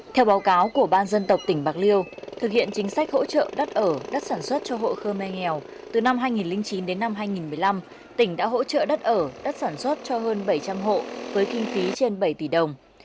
theo báo cáo của ban dân tộc tỉnh bạc liêu thực hiện chính sách hỗ trợ đất ở đất sản xuất cho hộ khơ me nghèo từ năm hai nghìn chín đến năm hai nghìn một mươi năm tỉnh đã hỗ trợ đất ở đất sản xuất cho hơn bảy trăm linh hộ với kinh phí trên bảy tỷ đồng